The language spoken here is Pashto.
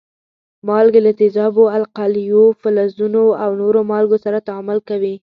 مالګې له تیزابو، القلیو، فلزونو او نورو مالګو سره تعامل کوي.